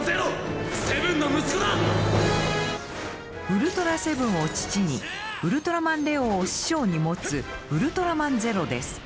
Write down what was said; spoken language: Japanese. ウルトラセブンを父にウルトラマンレオを師匠に持つウルトラマンゼロです。